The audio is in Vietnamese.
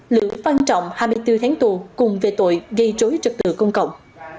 lữ văn trọng hai mươi bốn tháng tù cùng về tội gây rối trật tự công cộng